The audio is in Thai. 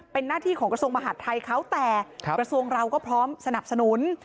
เป็นหน้าที่ของกระทรวงมหาดไทยเขาแต่กระทรวงเราก็พร้อมสนับสนุน